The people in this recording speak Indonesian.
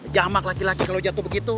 jamak lagi lagi kalo jatuh gitu